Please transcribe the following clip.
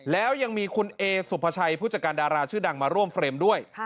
แล้วยังมีคุณเอสุภาชัยผู้จัดการดาราชื่อดังมาร่วมเฟรมด้วย